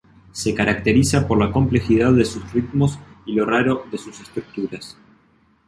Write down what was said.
Se caracteriza por la complejidad de sus ritmos y lo raro de sus estructuras.